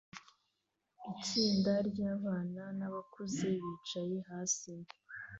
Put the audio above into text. Itsinda ryabana nabakuze bicaye hasi